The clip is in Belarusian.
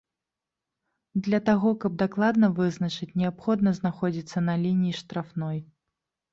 Для таго, каб дакладна вызначыць, неабходна знаходзіцца на лініі штрафной.